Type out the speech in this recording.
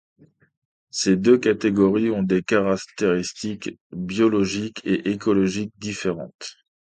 Ces deux catégories ont des caractéristiques biologiques et écologiques différentes.